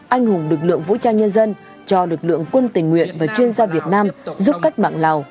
anh hùng lực lượng vũ trang nhân dân cho lực lượng quân tình nguyện và chuyên gia việt nam giúp cách mạng lào